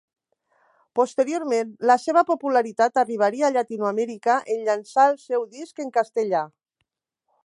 Posteriorment, la seva popularitat arribaria a Llatinoamèrica en llançar el seu disc en castellà.